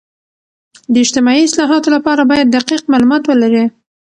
د اجتماعي اصلاحاتو لپاره باید دقیق معلومات ولري.